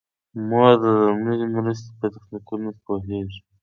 مور د لومړنۍ مرستې په تخنیکونو پوهیږي.